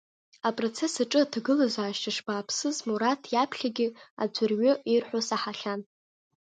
Апроцесс аҿы аҭагылазаашьа шбааԥсыз Мураҭ иаԥхьагьы аӡәырҩы ирҳәо саҳахьан.